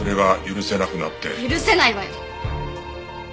許せないわよ！